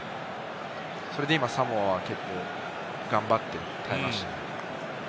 それで今サモアは結構頑張って耐えました。